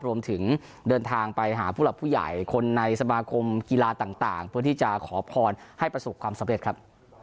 รวมถึงเดินทางไปหาผู้หลักผู้ใหญ่คนในสมาคมกีฬาต่างเพื่อที่จะขอพรให้ประสบความสำเร็จครับ